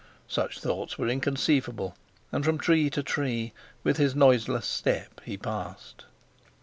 Such thoughts were inconceivable; and from tree to tree, with his noiseless step, he passed.